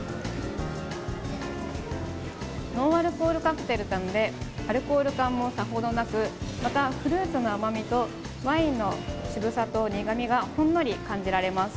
ノンアルコールカクテルなのでアルコール感もさほどなくまたフルーツの甘みとワインの渋さと苦味がほんのり感じられます。